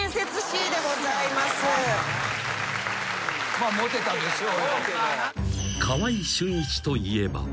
まあモテたでしょう。